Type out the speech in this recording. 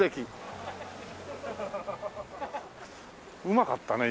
うまかったね